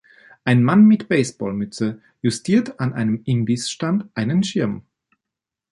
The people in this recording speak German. Ein Mann mit Baseballmütze justiert an einem Imbissstand einen Schirm.